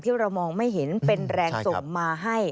ที่เรามองไม่เห็นเป็นแรงส่งมาให้